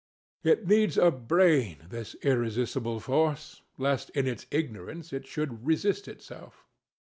It needs a brain, this irresistible force, lest in its ignorance it should resist itself.